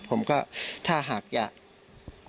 ผมก็ถ้าหากอยาก